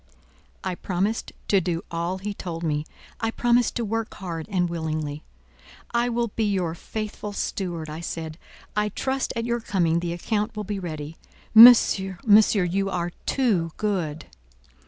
I promised to do all he told me. I promised to work hard and willingly. "I will be your faithful steward," I said; "I trust at your coming the account will be ready. Monsieur, monsieur, you are too good!"